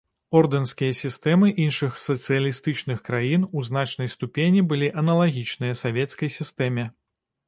Ордэнскія сістэмы іншых сацыялістычных краін у значнай ступені былі аналагічныя савецкай сістэме.